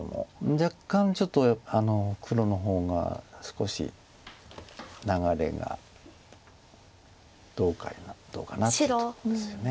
若干ちょっと黒の方が少し流れがどうかなっていうとこですよね。